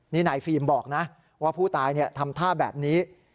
นี่นายฟิล์มบอกนะว่าผู้ตายทำท่าแบบนี้